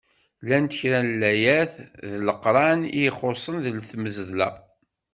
Llant kra n layat deg Leqran i ixuṣṣen deg tmeẓla.